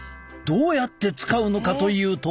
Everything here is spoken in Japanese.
どうやって使うのかというと。